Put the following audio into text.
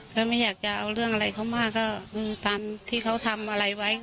ไม่อยากจะเอาเรื่องอะไรเขามากก็ตามที่เขาทำอะไรไว้